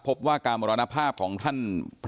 พบว่าการมรณภาพของท่าน